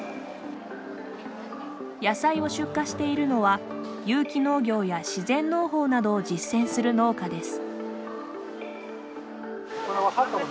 野菜を出荷しているのは有機農業や自然農法などを実践する農家です。